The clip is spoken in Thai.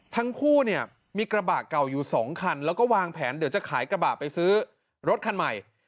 ทั้งคู่เนี่ยมีกระบะเก่าอยู่๒คันแล้วก็วางแผนเดี๋ยวจะขายกระบะไปซื้อรถคันใหม่